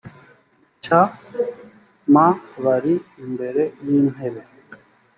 nshya m bari imbere y intebe